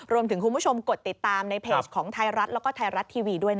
รวมถึงคุณผู้ชมกดติดตามในเพจของไทยรัฐและก็ไทรัตย์ทีวีด้วย